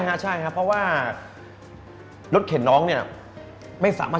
เพราะฉะนั้นถ้าใครอยากทานเปรี้ยวเหมือนโป้แตก